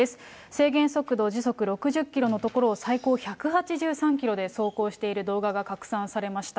制限速度、時速６０キロのところを最高１８３キロで走行している動画が拡散されました。